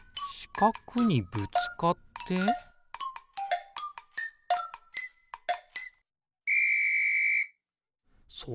しかくにぶつかってピッ！